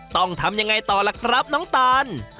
ต้องทำยังไงต่อล่ะครับน้องตาน